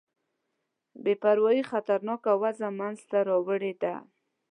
بې پروايي خطرناکه وضع منځته راوړې ده.